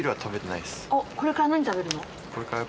おっこれから何食べるの？